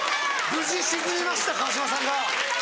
無事沈みました川島さんが。